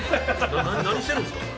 何してるんですか？